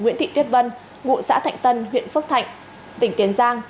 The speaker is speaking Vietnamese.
nguyễn thị tuyết vân ngụ xã thạnh tân huyện phước thạnh tỉnh tiền giang